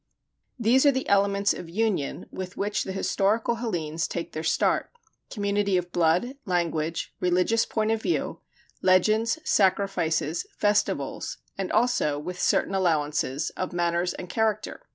These are the elements of union with which the historical Hellenes take their start: community of blood, language, religious point of view, legends, sacrifices, festivals, and also (with certain allowances) of manners and character.